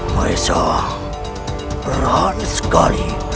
maisa berat sekali